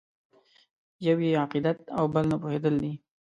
یو یې عقیدت او بل نه پوهېدل دي.